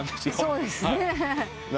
そうですね。